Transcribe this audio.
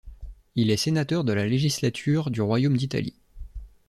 Il est sénateur de la législature du Royaume d'Italie.